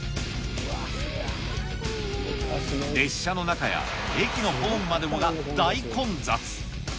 列車の中や駅のホームまでもが大混雑。